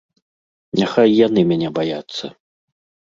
Няхай яны мяне баяцца.